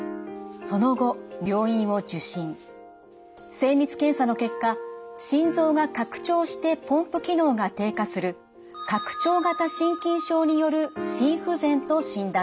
精密検査の結果心臓が拡張してポンプ機能が低下する拡張型心筋症による心不全と診断されました。